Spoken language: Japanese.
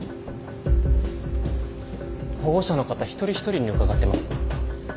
保護者の方一人一人に伺ってます。